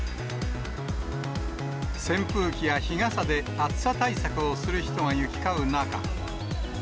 扇風機や日傘で暑さ対策をする人が行き交う中。